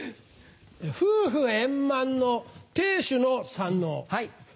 夫婦円満の亭主の三ＮＯ。